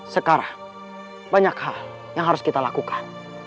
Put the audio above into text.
sekarang banyak hal yang harus kita lakukan